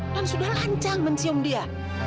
dan sudah lancang mencium dia